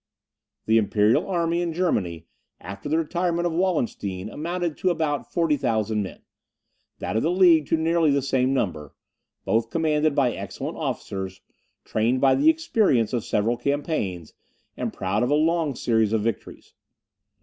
The imperial army in Germany, after the retirement of Wallenstein, amounted to about 40,000 men; that of the League to nearly the same number, both commanded by excellent officers, trained by the experience of several campaigns, and proud of a long series of victories.